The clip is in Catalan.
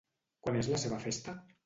Quan és la seva festa?